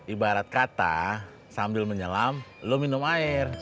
ibarat kata sambil menyelam lo minum air